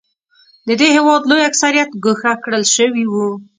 د دې هېواد لوی اکثریت ګوښه کړل شوی و.